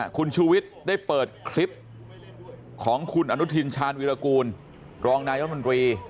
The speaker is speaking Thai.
คุณชูวิทย์ได้เปิดคลิปของคุณอนุทินชาญวิรากูลรองนายรัฐมนตรี